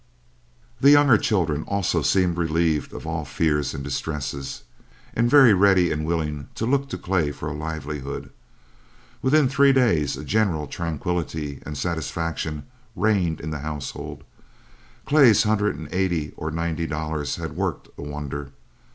The younger children, also, seemed relieved of all fears and distresses, and very ready and willing to look to Clay for a livelihood. Within three days a general tranquility and satisfaction reigned in the household. Clay's hundred and eighty or ninety, dollars had worked a wonder.